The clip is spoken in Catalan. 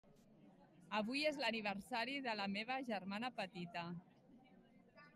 Avui és l'aniversari de la meva germana petita.